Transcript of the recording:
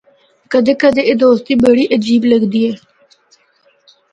کدے کدے اے دوستی بڑی عجیب لگدی ہے۔